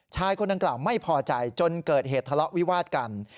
ชายคนดังกล่าวไม่พอใจจนเกิดเหตุทะเลาะวิวาดกัน